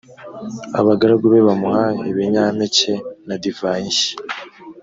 abgaragu be bamuha ibinyampeke na divayi nshya